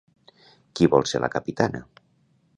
Qui vol ser la capitana?